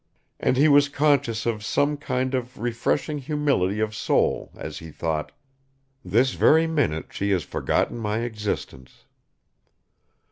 and he was conscious of some kind of refreshing humility of soul as he thought, "This very minute she has forgotten my existence."